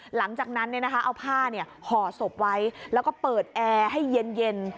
หลังจากนั้นเอาผ้าห่อศพไว้แล้วก็เปิดแอร์ให้เย็น